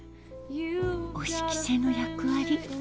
お仕着せの役割